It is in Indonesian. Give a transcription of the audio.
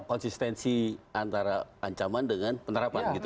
konsistensi antara ancaman dengan penerapan gitu